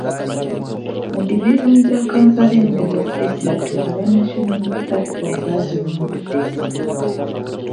Mu divizoni za Kampala endala esatu aba National Unity Platform baziwangudde.